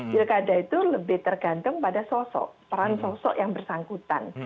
pilkada itu lebih tergantung pada sosok peran sosok yang bersangkutan